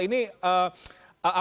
ini apakah karena masalah